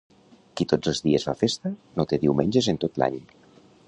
Qui tots els dies fa festa, no té diumenges en tot l'any.